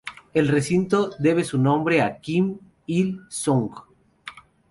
El recinto debe su nombre a Kim Il-sung.